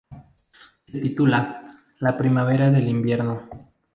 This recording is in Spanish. Se titula 'La primavera del invierno'.